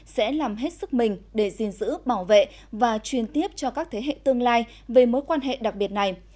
sẽ làm hết sức mình để gìn giữ bảo vệ và truyền tiếp cho các thế hệ tương lai về mối quan hệ đặc biệt này